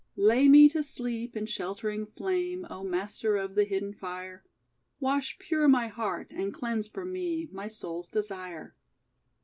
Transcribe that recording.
"Lay me to sleep in sheltering flame, O Master of the Hidden Fire; Wash pure my heart, and cleanse for me My soul's desire."